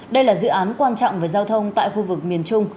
đây là dự án quan trọng về giao thông tại khu vực miền trung